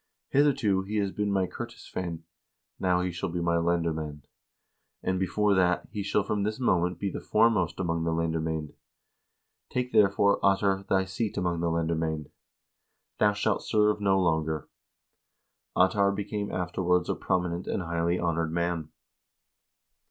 Hitherto he has been my ker tisveinn; now he shall be my lendermand, and, more than that, he shall from this moment be the foremost among the lendermcend. Take, therefore, Ottar, thy seat among the lendermcend. Thou shalt serve no longer." Ottar became afterwards a prominent and highly honored man.